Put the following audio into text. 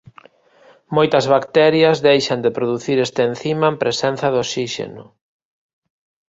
Moitas bacterias deixan de producir este encima en presenza de osíxeno.